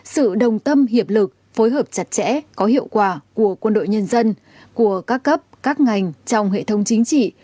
sự đồng tâm hiệp lực phối hợp chặt chẽ có hiệu quả của quân đội nhân dân của các cấp các ngành trong hệ thống chính trị